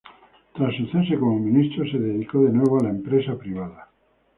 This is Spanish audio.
Tras su cese como ministro, se dedicó de nuevo a la empresa privada.